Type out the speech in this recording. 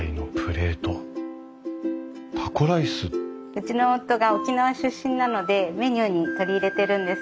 うちの夫が沖縄出身なのでメニューに取り入れてるんです。